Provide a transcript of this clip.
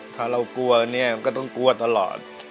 ถ้าเรากลัวเนี่ยก็ต้องกลัวตลอด